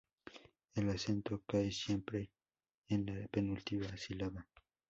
El acento cae casi siempre en la penúltima sílaba.